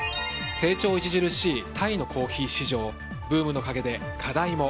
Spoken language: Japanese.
成長著しいタイのコーヒー市場ブームの陰で課題も。